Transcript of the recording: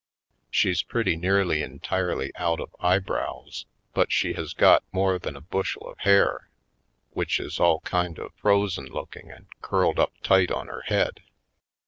She's pretty near entirely out of eyebrows, but she has got more than a bushel of hair which is all kind of frozen looking and curled up tight on her head.